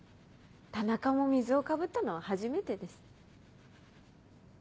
田中も水をかぶったのは初めてです。